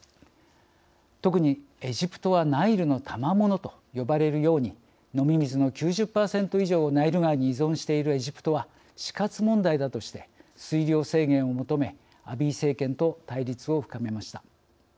特にエジプトはナイルのたまものと呼ばれるように飲み水の９０％以上をナイル川に依存しているエジプトは死活問題だとして水量制限を求めアビー政権と対立を深めました。